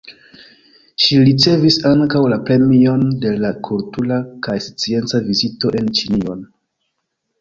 Ŝi ricevis ankaŭ la Premion de la Kultura kaj Scienca Vizito en Ĉinion.